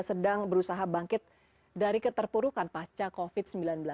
sedang berusaha bangkit dari keterpurukan pasca covid sembilan belas